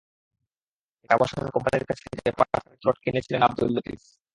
একটি আবাসন কোম্পানির কাছ থেকে পাঁচ কাঠার একটি প্লট কিনেছিলেন আবদুল লতিফ।